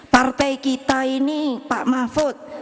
partai kita ini pak mahfud